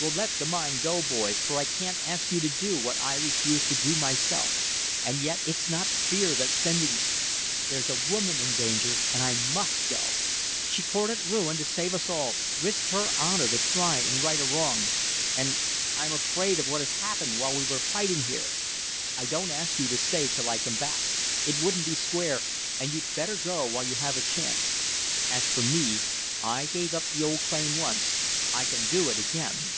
"We'll let the mine go, boys, for I can't ask you to do what I refuse to do myself, and yet it's not fear that's sending me. There's a woman in danger and I MUST go. She courted ruin to save us all, risked her honor to try and right a wrong and I'm afraid of what has happened while we were fighting here. I don't ask you to stay till I come back it wouldn't be square, and you'd better go while you have a chance. As for me I gave up the old claim once I can do it again."